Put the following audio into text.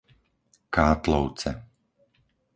Kátlovce